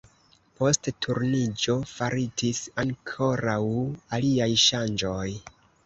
Post Turniĝo faritis ankoraŭ aliaj ŝanĝoj.